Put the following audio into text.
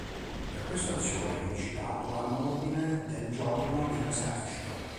Per questa azione viene citato all'Ordine del giorno dell'Esercito.